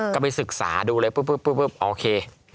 ก็ไปศึกษาดูเลยปุ๊บโอเค